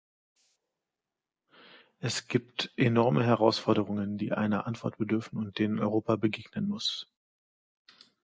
Es gibt enorme Herausforderungen, die einer Antwort bedürfen und denen Europa begegnen muss.